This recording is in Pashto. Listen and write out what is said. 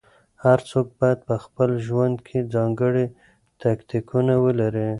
هر څوک بايد په خپل ژوند کې ځانګړي تاکتيکونه ولري.